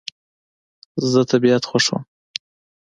زه طبیعت خوښوم